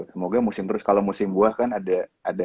semoga musim terus kalau musim buah kan ada